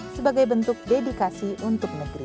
sebagai bentuk dedikasi untuk negeri